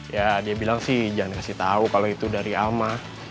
ya dia bilang sih jangan kasih tahu kalau itu dari alma